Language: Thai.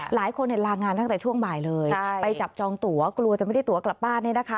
หลายคนลางานตั้งแต่ช่วงบ่ายเลยไปจับจองตัวกลัวจะไม่ได้ตัวกลับบ้านเนี่ยนะคะ